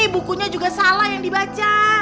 bukunya juga salah yang dibaca